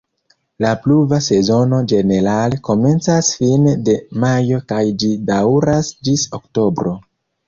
La pluva sezono ĝenerale komencas fine de majo kaj ĝi daŭras ĝis oktobro.